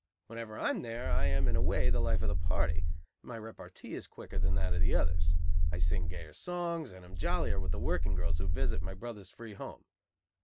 Whenever I am there, I am, in a way, the life of the party. My repartee is quicker than that of the others. I sing gayer songs and am jollier with the working girls who visit my brother's free home.